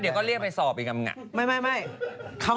เดี๋ยวก็เรียกไอสอบอีกทีอ่ะ